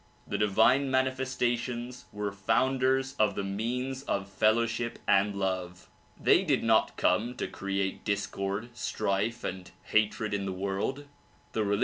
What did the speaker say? The divine manifestations were founders of the means of fellowship and love. They did not come to create discord, strife and hatred in the world.